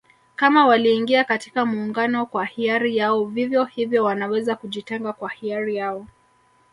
Kama waliingia katika Muungano kwa hiari yao vivyo hivyo wanaweza kujitenga kwa hiari yao